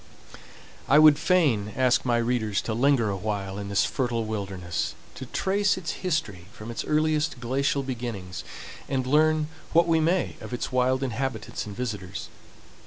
I would fain ask my readers to linger awhile in this fertile wilderness, to trace its history from its earliest glacial beginnings, and learn what we may of its wild inhabitants and visitors.